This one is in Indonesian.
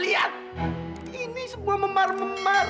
lihat ini semua memar memar